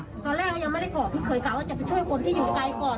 เกาะเรือเราเข้ามาตอนแรกยังไม่ได้เกาะพี่เคยกล่าวว่าจะไปช่วยคนที่อยู่ไกลก่อน